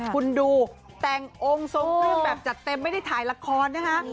คุณดูแต่งองค์ทรงเครื่องแบบจัดเต็มไม่ได้ถ่ายละครนะคะ